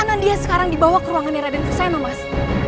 anandia sekarang dibawa ke ruangan raden fusena mas